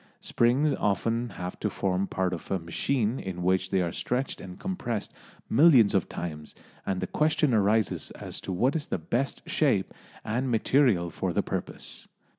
Springs often have to form part of a machine in which they are stretched and compressed millions of times, and the question arises as to what is the best shape and material for the purpose.